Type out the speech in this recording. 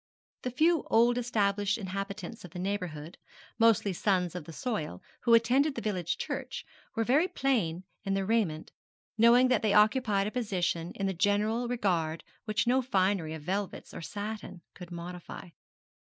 The few old established inhabitants of the neighbourhood, mostly sons of the soil, who attended the village church, were very plain in their raiment, knowing that they occupied a position in the general regard which no finery of velvets or satins could modify.